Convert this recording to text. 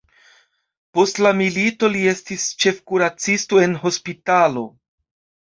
Post la milito li estis ĉefkuracisto en hospitalo.